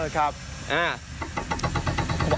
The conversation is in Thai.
ครับ